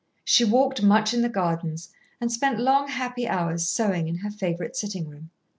She walked much in the gardens, and spent long, happy hours sewing in her favourite sitting room.